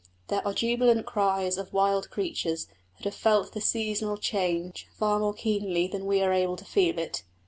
There are jubilant cries of wild creatures that have felt the seasonal change far more keenly than we are able to feel it.